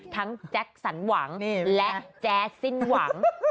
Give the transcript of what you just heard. แจ็คสันหวังและแจ๊ดสิ้นหวัง